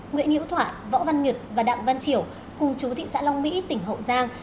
nguyễn hiễu thoại võ văn nghiệt và đạm văn triểu cùng chú thị xã long mỹ tp hậu giang